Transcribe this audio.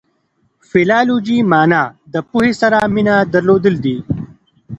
فلالوژي مانا د پوهي سره مینه درلودل دي.